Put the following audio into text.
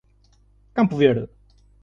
Campo Verde